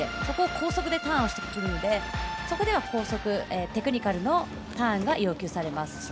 そこを高速でターンしてくるのでそこではテクニカルのターンが要求されます。